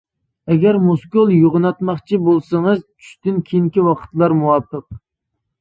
ئەگەر مۇسكۇل يوغىناتماقچى بولسىڭىز چۈشتىن كېيىنكى ۋاقىتلار مۇۋاپىق.